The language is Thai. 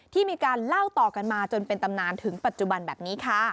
ที่มีการเล่าต่อกันมาจนเป็นตำนานถึงปัจจุบันแบบนี้ค่ะ